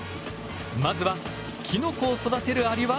まずはきのこを育てるアリは。